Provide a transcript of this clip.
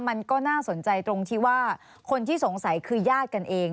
มันก็น่าสนใจตรงที่ว่าคนที่สงสัยคือญาติกันเอง